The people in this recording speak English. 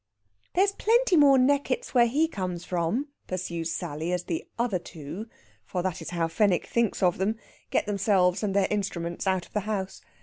"There's plenty more Neckitts where he comes from," pursues Sally, as the "other two" for that is how Fenwick thinks of them get themselves and their instruments out of the house.